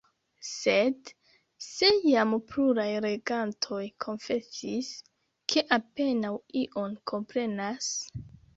Sed se jam pluraj legantoj konfesis, ke apenaŭ ion komprenas?